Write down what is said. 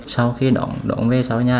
sau khi đổng về sau nhà